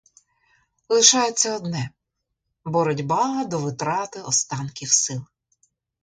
Лишається одне — боротьба до витрати останків сил.